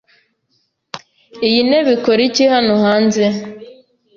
Iyi ntebe ikora iki hano hanze?